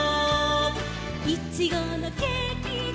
「いちごのケーキだ」